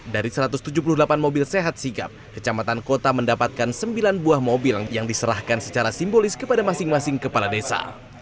dari satu ratus tujuh puluh delapan mobil sehat sigap kecamatan kota mendapatkan sembilan buah mobil yang diserahkan secara simbolis kepada masing masing kepala desa